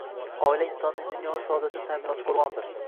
Oila insonning dunyoviy saodatini ta'minlovchi qo‘rg‘ondir